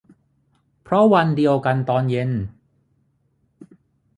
เพราะวันเดียวกันตอนเย็น